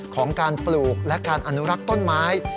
ของการปลูกและการอนุรักษ์ต้นไม้